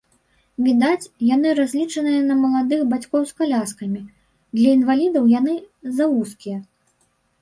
Відаць, яны разлічаныя на маладых бацькоў з каляскамі, для інвалідаў яны завузкія.